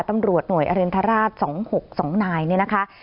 ตำรวจหน่วยอรินทราช๒๖๒นายเนี่ยนะคะ